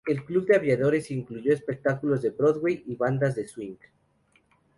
El club de aviadores incluyó espectáculos de Broadway y bandas de swing.